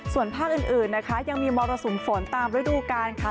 ส่วนภาคอื่นนะคะยังมีมรสุมฝนตามฤดูกาลค่ะ